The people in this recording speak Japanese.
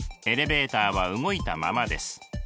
エレベーターは動いたままです。